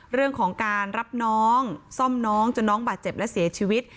เรื่องของการรับน้องซ่อมน้องจนน้องบาดเจ็บและเสียชีวิต